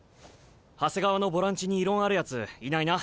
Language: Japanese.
長谷川のボランチに異論あるやついないな？